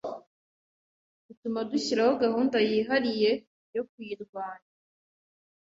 bituma dushyiraho gahunda yihariye yo kuyirwanya.